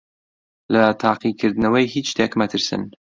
لە تاقیکردنەوەی هیچ شتێک مەترسن.